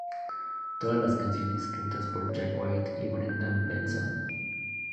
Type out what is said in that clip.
Todas las canciones escritas por Jack White y Brendan Benson.